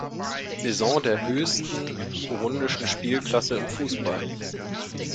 Saison der höchsten burundischen Spielklasse im Fußball.